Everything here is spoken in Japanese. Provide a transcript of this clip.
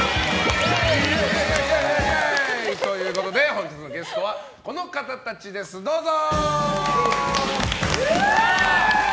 本日のゲストはこの方たちです、どうぞ！